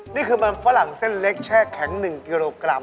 นี่คือมันฝรั่งเส้นเล็กแช่แข็ง๑กิโลกรัม